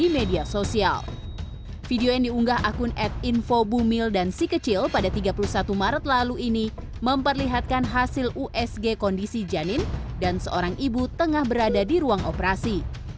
memperlihatkan hasil usg kondisi janin dan seorang ibu tengah berada di ruang operasi